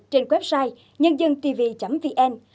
trên website nhândântv vn